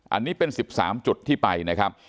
อันนี้เป็น๑๓จุดที่ไปนะครับ